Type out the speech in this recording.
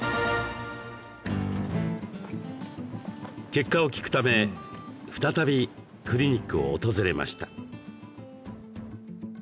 結果を聞くため再びクリニックを訪れました。